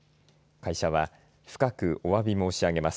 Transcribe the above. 会社は深くおわび申し上げます。